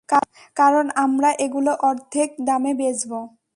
কারন আমরা এগুলো অর্ধেক দামে বেচবো।